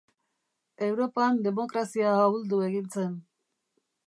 Europan demokrazia ahuldu egin zen.